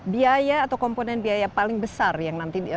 biaya atau komponen biaya paling besar yang nanti